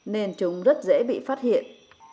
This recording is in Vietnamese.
nên chúng rất dễ bị phát hiện